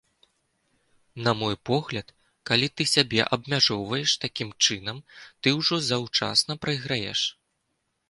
На мой погляд, калі ты сябе абмяжоўваем такім чынам, ты ўжо заўчасна прайграеш.